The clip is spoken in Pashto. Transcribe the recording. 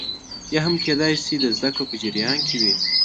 یا هم کېدای شي د زده کړو په جریان کې وي